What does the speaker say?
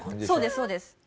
そうですそうです。